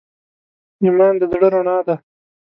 ایمان د زړه رڼا ده.